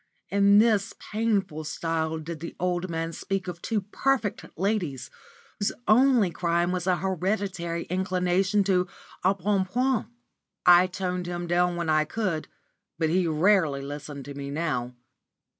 In this painful style did the old man speak of two perfect ladies, whose only crime was a hereditary inclination to enbonpoint. I toned him down when I could, but he rarely listened to me now.